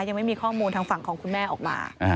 ยังไม่มีข้อมูลทางฝั่งของคุณแม่ออกมา